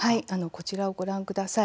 こちらをご覧ください。